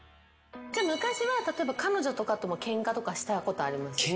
昔は例えば彼女とかともケンカとかしたことあります？